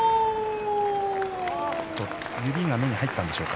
指が目に入ったんでしょうか